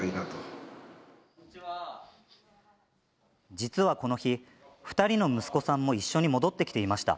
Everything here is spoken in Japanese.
実はこの日、２人の息子さんも一緒に戻ってきていました。